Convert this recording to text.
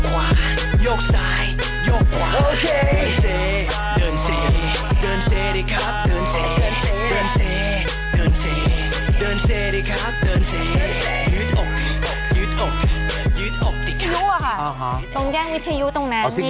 วิทยายุอะคะตรงแกล้งวิทยายุตรงนั้นเนี่ย